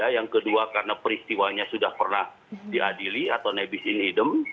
yang kedua karena peristiwanya sudah pernah diadili atau nebis in idem